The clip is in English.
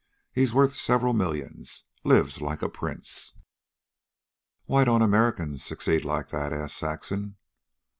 He's worth several millions. Lives like a prince." "Why don't Americans succeed like that?" asked Saxon.